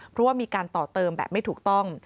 เพราะว่ามีการต่อเติมแบบไม่ถูกต้อง